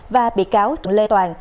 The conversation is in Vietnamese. và bị cáo lê toàn